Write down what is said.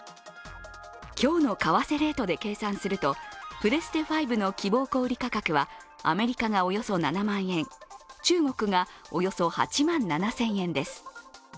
今日の為替レートで計算するとプレステ５の希望小売価格はアメリカがおよそ７万円、中国がおよそ８万７０００円です。